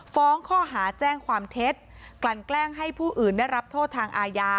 ฟ้องข้อหาแจ้งความเท็จกลั่นแกล้งให้ผู้อื่นได้รับโทษทางอาญา